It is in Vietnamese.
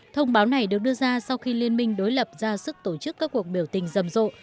thông báo này được đưa ra sau khi liên minh đối lập ra sức tổ chức các cuộc biểu tình rầm rộ